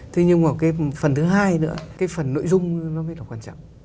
thế nhưng mà cái phần thứ hai nữa cái phần nội dung nó mới là quan trọng